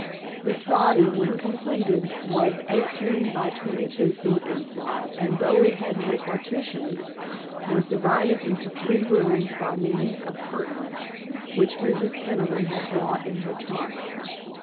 The "soddy" when completed was eighteen by twenty two feet inside, and though it had no partitions, was divided into three rooms by means of curtains, which Mrs. Peniman had brought in her trunk.